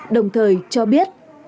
đồng thời cho biết